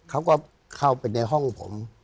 เขาก็เข้าไปในห้องผม